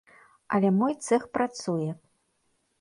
Але мой цэх працуе.